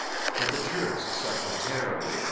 But the Turks suffered terribly.